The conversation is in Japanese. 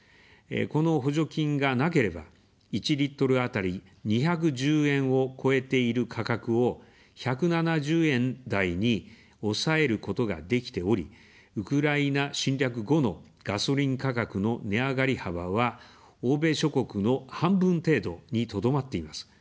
この補助金がなければ、１リットルあたり２１０円を超えている価格を、１７０円台に抑えることができており、ウクライナ侵略後のガソリン価格の値上がり幅は欧米諸国の半分程度にとどまっています。